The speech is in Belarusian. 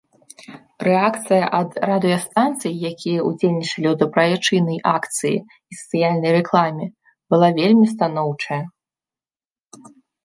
Рэакцыя ад радыёстанцый, якія ўдзельнічалі ў дабрачыннай акцыі і сацыяльнай рэкламе, была вельмі станоўчая.